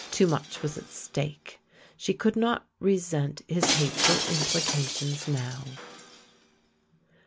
Too much was at stake; she could not resent his hateful implications now.